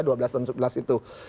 dua belas dan sebelas itu